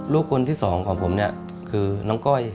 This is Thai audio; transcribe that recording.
ลูกคนที่สองของผมเนี่ยคือน้องก้อย